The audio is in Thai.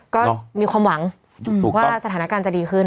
ก็มีความหวังว่าสถานการณ์จะดีขึ้น